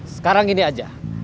sekarang gini aja